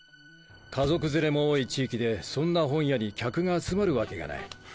家族連れも多い地域でそんな本屋に客が集まるわけがない。